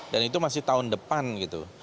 dan itu masih tahun depan gitu